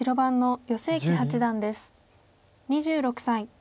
２６歳。